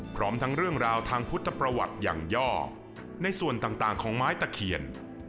พร้อมทั้งเรื่องราวทางพุทธประวัติอย่างย่อในส่วนต่างของไม้ตะเคียน